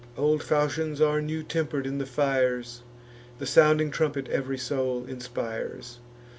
Old falchions are new temper'd in the fires; The sounding trumpet ev'ry soul inspires.